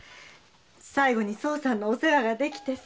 最後に惣さんのお世話ができてさ。